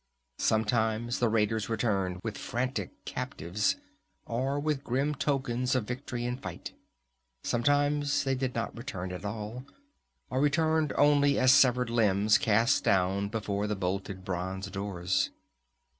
Sometimes the raiders returned with frantic captives, or with grim tokens of victory in fight. Sometimes they did not return at all, or returned only as severed limbs cast down before the bolted bronze doors.